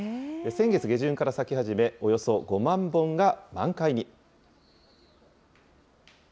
先月下旬から咲き始め、およそ５万本が満開に。